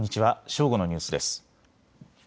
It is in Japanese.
正午のニュースです。